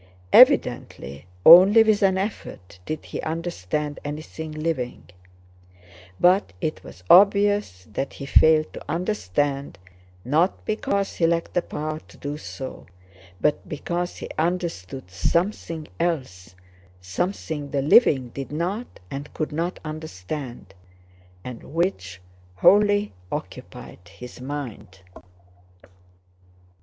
Evidently only with an effort did he understand anything living; but it was obvious that he failed to understand, not because he lacked the power to do so but because he understood something else—something the living did not and could not understand—and which wholly occupied his mind.